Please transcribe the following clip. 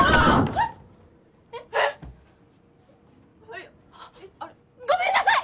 えっ！？ごめんなさい！